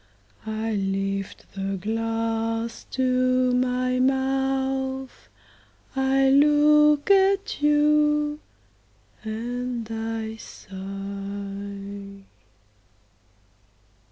I lift the glass to my mouth, I look at you, and I sigh.